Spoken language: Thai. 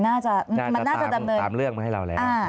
น่าจะตามเรื่องมาให้เราแล้ว